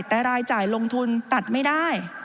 แต่รายจ่ายลงทุนตัดไม่ได้